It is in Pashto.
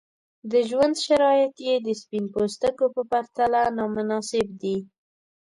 د ژوند شرایط یې د سپین پوستکو په پرتله نامناسب دي.